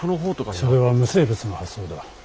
それは無生物の発想だ。